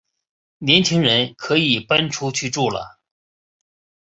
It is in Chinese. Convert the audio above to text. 年轻人可以搬出去住了